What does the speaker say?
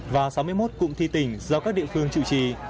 và sáu mươi một cụm thi tỉnh do các địa phương chủ trì